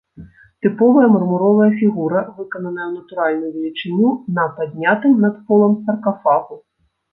Тыповая мармуровая фігура, выкананая ў натуральную велічыню на паднятым над полам саркафагу.